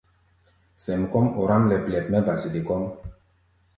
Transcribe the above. Sɛm kɔ́ʼm ɔráʼm lɛp-lɛp mɛ́ ba sede kɔ́ʼm.